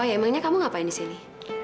oh ya emangnya kamu ngapain disini